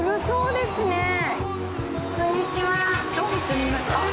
そうですね。